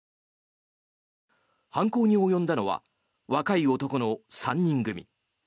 犯行に及んだのは若い男の３人組。